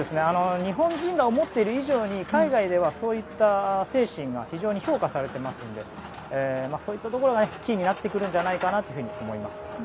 日本人が思っている以上に海外ではそういった精神が非常に評価されていますのでそういったところがキーになってくるんじゃないかと思います。